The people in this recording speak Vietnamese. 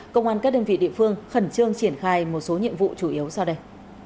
công an các đơn vị địa phương khẩn trương triển khai một số nhiệm vụ chủ yếu sau đây